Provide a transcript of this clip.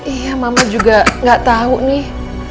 iya mama juga gak tau nih